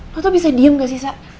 lo tuh bisa diem gak sih sa